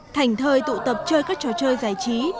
thảnh thơi tụ tập chơi các trò chơi giải trí